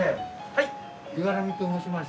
はい。